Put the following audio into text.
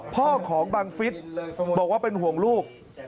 พ่อของบังฟิศบอกว่าเป็นห่วงลูก